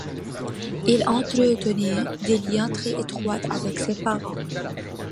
Il entretenait des liens très étroits avec ses parents.